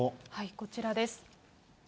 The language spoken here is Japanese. こちらです。